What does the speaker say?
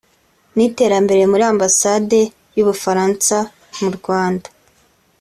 n’iterambere muri Ambasade y’u Bufaransa mu Rwanda